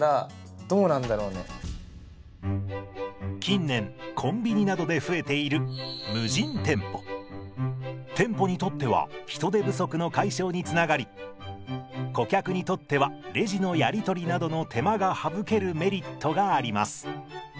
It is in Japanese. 近年コンビニなどで増えている店舗にとっては人手不足の解消につながり顧客にとってはレジのやり取りなどの手間が省けるメリットがあります。